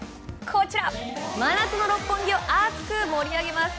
真夏の六本木を熱く盛り上げます。